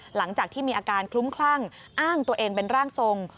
หลังจากที่มีอาการคลุ้มคลั่งอ้างตัวเองเป็นร่างทรง